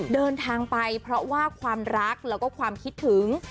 เดินทางไปเพราะว่าความรักแล้วก็ความคิดถึง